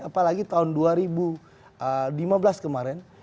apalagi tahun dua ribu lima belas kemarin